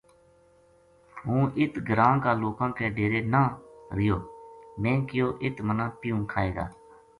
ہوں اِت گراں کا لوکاں کے ڈیرے نہ رہیو میں کہیو اِت منا پیوں کھائے گا